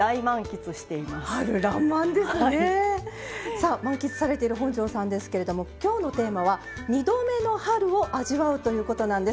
さあ満喫されている本上さんですけれどもきょうのテーマは「２度目の春を味わう」ということなんです。